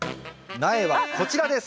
苗はこちらです。